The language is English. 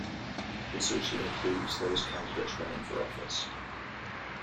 This also includes those candidates running for office.